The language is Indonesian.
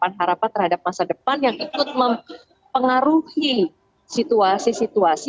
atau mungkin ada beberapa terhadap masa depan yang ikut mempengaruhi situasi situasi